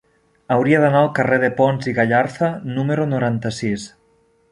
Hauria d'anar al carrer de Pons i Gallarza número noranta-sis.